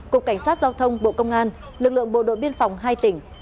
cục cảnh sát giao thông bộ công an lực lượng bộ đội biên phòng hai tỉnh